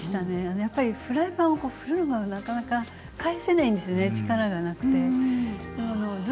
フライパンを振るのは、なかなか返せないんですよね、力がなくて。